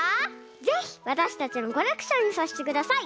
ぜひわたしたちのコレクションにさせてください。